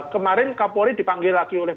kemarin kapolri dipanggil lagi oleh